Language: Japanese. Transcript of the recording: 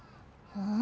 うん？